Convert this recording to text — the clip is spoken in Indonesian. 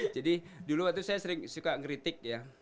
jadi dulu waktu itu saya sering suka ngeritik ya